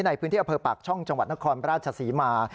ในพื้นที่อำเภอปากช่องจังหวัดนครราชศรีมา